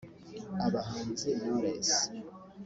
Abahanzi Knowless